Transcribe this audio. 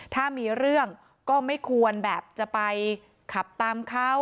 ถ้ามีเรื่องก็ไม่ควรแบบจะไปขับตามเขา